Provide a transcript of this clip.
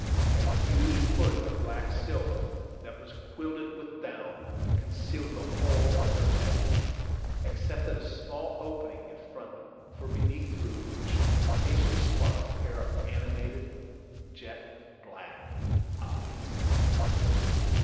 A huge hood of black silk, that was quilted with down, concealed the whole of her head, except at a small opening in front for breath, through which occasionally sparkled a pair of animated jet black eyes.